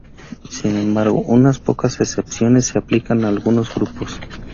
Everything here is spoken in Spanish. Sin embargo, unas pocas excepciones se aplican a algunos grupos.